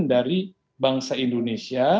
dari bangsa indonesia